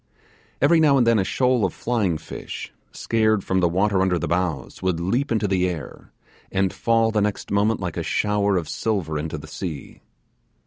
Every now and then a shoal of flying fish, scared from the water under the bows, would leap into the air, and fall the next moment like a shower of silver into the sea.